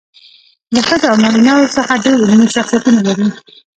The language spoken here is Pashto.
له ښځو او نارینه وو څخه ډېر علمي شخصیتونه لري.